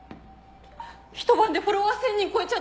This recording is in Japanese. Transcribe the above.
一晩でフォロワー１，０００人越えちゃった。